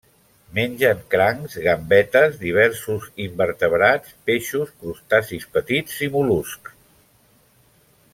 Mengen crancs, gambetes, diversos invertebrats, peixos, crustacis petits i mol·luscs.